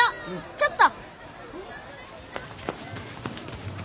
ちょっと。